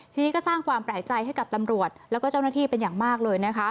ทีนี้ก็สร้างความแปลกใจให้กับตำรวจแล้วก็เจ้าหน้าที่เป็นอย่างมากเลยนะคะ